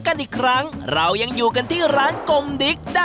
มาเลยค่ะ